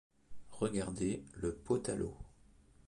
Regardez le pot à l’eau.